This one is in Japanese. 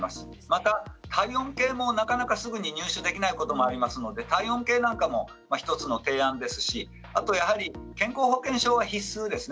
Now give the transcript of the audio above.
また体温計もなかなか、すぐに入手できないこともありますので体温計なんかも１つの提案ですしあとやはり健康保険証は必須です。